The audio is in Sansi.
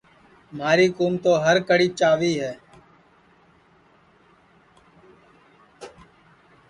مھاری کُُوم تو ہر کڑھی چاوی ہے